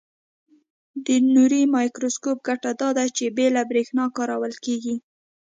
د نوري مایکروسکوپ ګټه داده چې بې له برېښنا کارول کیږي.